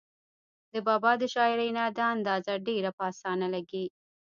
د بابا د شاعرۍ نه دا اندازه ډېره پۀ اسانه لګي